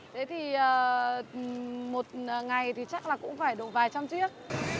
thế thì một ngày thì chắc là cũng phải đổ vài trăm chiếc